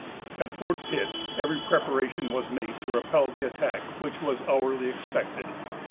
At Fort Pitt, every preparation was made to repel the attack which was hourly expected.